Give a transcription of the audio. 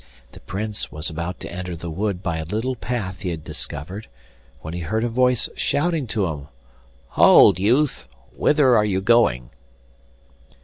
The Prince was about to enter the wood by a little path he had discovered, when he heard a voice shouting to him: 'Hold, youth! Whither are you going?